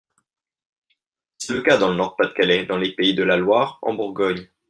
C’est le cas dans le Nord-Pas-de-Calais, dans les Pays de la Loire, en Bourgogne.